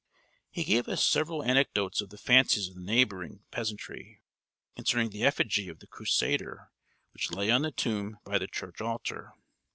He gave us several anecdotes of the fancies of the neighbouring peasantry, concerning the effigy of the crusader which lay on the tomb by the church altar.